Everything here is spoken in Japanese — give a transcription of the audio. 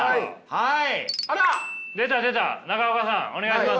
はい。